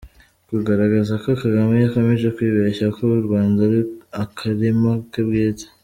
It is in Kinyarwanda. Kugaragaza ko Kagame akomeje kwibeshya ko u Rwanda ari akarima ke bwite.